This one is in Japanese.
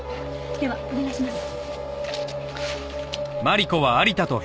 ではお願いします。